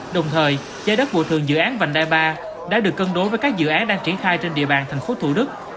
đồng thời giá đất bộ thường dự án vành đai ba đã được cân đối với các dự án đang triển khai trên địa bàn thành phố thủ đức